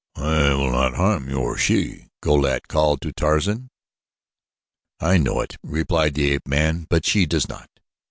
"I will not harm your she," Go lat called to Tarzan. "I know it," replied the ape man, "but she does not.